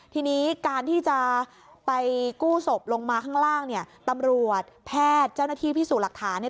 ทีนี้การที่จะไปกู้ศพลงมาข้างล่างเนี่ยตำรวจแพทย์เจ้าหน้าที่พิสูจน์หลักฐานเนี่ย